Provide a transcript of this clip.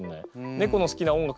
猫の好きな音楽